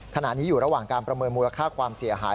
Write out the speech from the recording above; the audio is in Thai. ขณะนี้อยู่ระหว่างการประเมินมูลค่าความเสียหาย